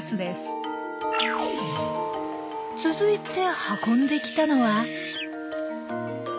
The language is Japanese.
続いて運んできたのは。